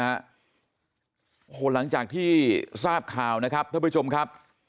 โอ้โหหลังจากที่ทราบข่าวนะครับท่านผู้ชมครับ